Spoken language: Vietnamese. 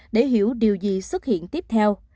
để hiểu điều gì xuất hiện tiếp theo